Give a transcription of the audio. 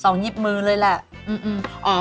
หยิบมือเลยแหละ